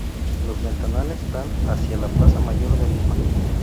Los ventanales dan hacia la Plaza Mayor de Lima.